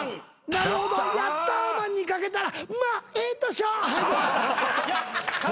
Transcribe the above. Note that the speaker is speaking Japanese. なるほどヤッターマンにかけたらまっええとしよう！